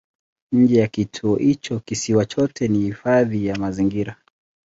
Nje ya kituo hicho kisiwa chote ni hifadhi ya mazingira.